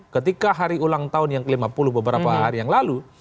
ketika hari ulang tahun yang ke lima puluh beberapa hari yang lalu